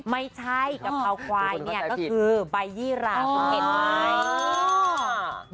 ไม่ใช่กะเพราควายเนี่ยก็คือใบยี่หราคุณเห็นไหม